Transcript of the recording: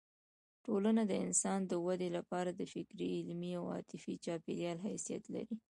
ټولنه د انسان د ودې لپاره د فکري، علمي او عاطفي چاپېریال حیثیت لري.